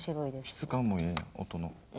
質感もええやん音の。